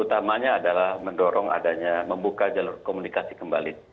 utamanya adalah mendorong adanya membuka jalur komunikasi kembali